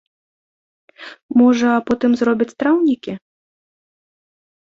Можа, потым зробяць траўнікі?